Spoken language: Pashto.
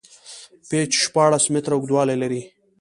پېچ شپاړس میتره اوږدوالی لري.